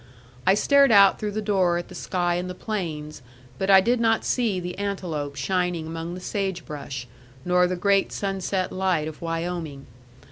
I stared out through the door at the sky and the plains; but I did not see the antelope shining among the sage brush, nor the great sunset light of Wyoming.